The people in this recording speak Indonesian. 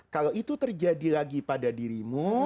kalau itu terjadi lagi pada dirimu